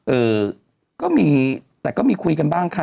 เอ่อก็มีแต่ก็มีคุยกันบ้างค่ะ